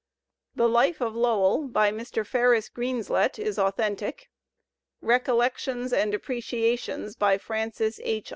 The life of Lowell by Mr. Ferris Greenslet is authentic. "Recollections and Appreciations" by Francis H.